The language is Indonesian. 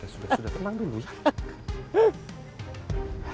sudah sudah tenang dulu ya